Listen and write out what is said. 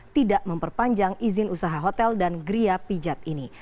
tidak memperpanjang izin usaha hotel dan geria pijat ini